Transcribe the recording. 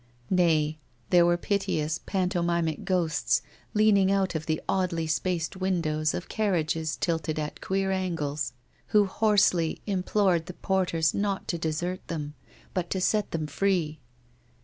Nay, there were piteous pantomimic ghosts leaning out of the oddly placed windows of carriages tilted at queer angles, who hoarsely implored the porters not to desert them, but to set them free.